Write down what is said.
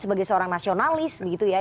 sebagai seorang nasionalis